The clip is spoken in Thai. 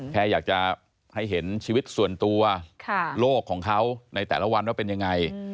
แค่อยากจะให้เห็นชีวิตส่วนตัวโลกของเขาในแต่ละวันว่าเป็นยังไง